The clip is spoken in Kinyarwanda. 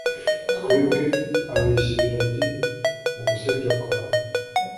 twebwe abeshya ibiragi mugusebya kwawe